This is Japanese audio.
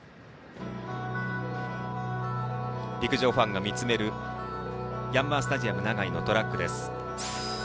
陸上ファンが見つめるヤンマースタジアム長居のトラックです。